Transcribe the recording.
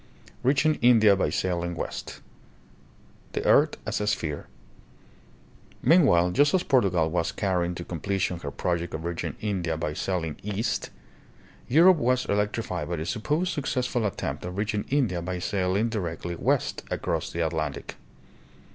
Reaching India by Sailing West. The Earth as a Sphere, f Meanwhile, just as Portugal was carrying to completion her project of reaching India by sailing east, Europe was electrified by the supposed successful attempt of reaching India by sailing directly west, across the At lantic.